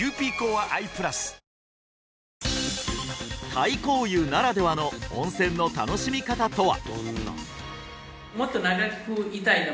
太閤湯ならではの温泉の楽しみ方とは？